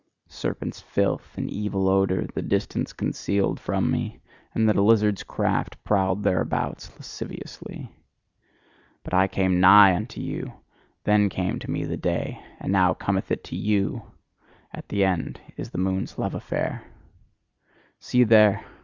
Serpents' filth and evil odour, the distance concealed from me: and that a lizard's craft prowled thereabouts lasciviously. But I came NIGH unto you: then came to me the day, and now cometh it to you, at an end is the moon's love affair! See there!